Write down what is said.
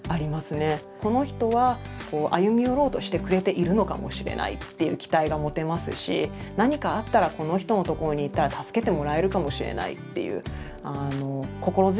この人は歩み寄ろうとしてくれているのかもしれないっていう期待が持てますし何かあったらこの人のところに行ったら助けてもらえるかもしれないっていう心強さがあります。